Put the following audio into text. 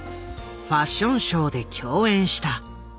ファッションショーで共演した。